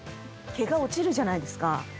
毛が落ちるじゃないですか。